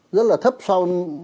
rất là thấp sau